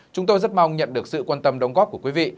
chúng tôi rất mong nhận được sự quan tâm đóng góp của quý vị